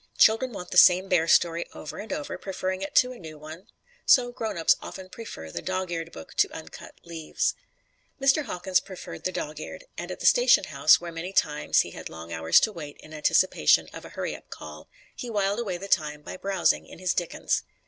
Children want the same bear story over and over, preferring it to a new one; so "grown ups" often prefer the dog eared book to uncut leaves. Mr. Hawkins preferred the dog eared, and at the station house, where many times he had long hours to wait in anticipation of a hurry up call, he whiled away the time by browsing in his Dickens.